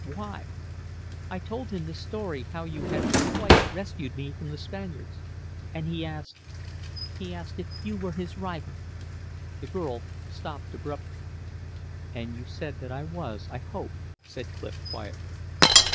"Why?" "I told him the story, how you had twice rescued me from the Spaniards. And he asked he asked if you were his rival." The girl stepped abruptly. "And you said that I was, I hope," said Clif, quietly.